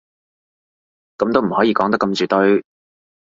噉都唔可以講得咁絕對